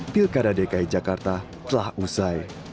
pilkada dki jakarta telah usai